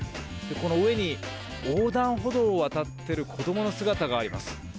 この上に横断歩道を渡ってる子どもの姿があります。